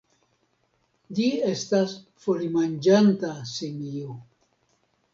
Ĝi estas folimanĝanta simio.